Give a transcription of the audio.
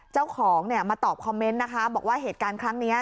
เจ้าของเนี่ยมาตอบคอมเมนต์นะคะบอกว่าเหตุการณ์ครั้งนี้